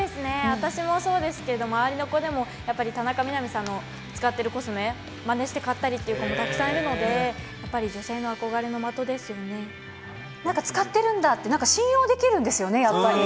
私もそうですけれども、周りの子でもやっぱり田中みな実さんの使っているコスメ、まねして買ったりっていう子もたくさんいるので、やっぱり女性のなんか使ってるんだってなんか信用できるんですよね、やっぱり。